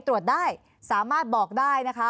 ตรวจได้สามารถบอกได้นะคะ